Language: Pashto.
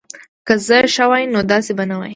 که زه ښه وای نو داسی به نه وای